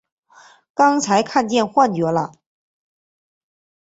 刚才看见幻觉了！